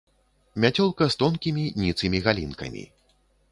Мяцёлка з тонкімі, ніцымі галінкамі.